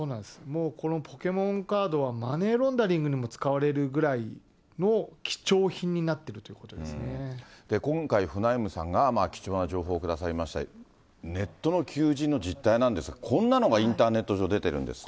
もうこのポケモンカードは、マネーロンダリングにも使われるぐらいの貴重品になっているとい今回、フナイムさんが貴重な情報をくださいまして、ネットの求人の実態なんですけど、こんなのがインターネット上、出てるんですって。